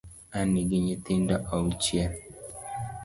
An gi nyithindo auchiel